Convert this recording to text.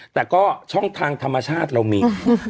แต่ก็ช่องทางธรรมชาติเรามี